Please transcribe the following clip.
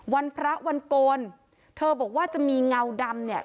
วันพระวันโกนเธอบอกว่าจะมีเงาดำเนี่ย